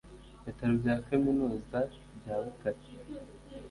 Ibitaro bya Kaminuza bya Butare